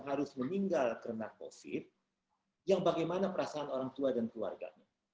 harus meninggal karena covid yang bagaimana perasaan orang tua dan keluarganya